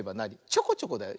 ちょこちょこだよ。